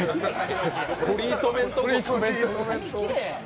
トリートメントで。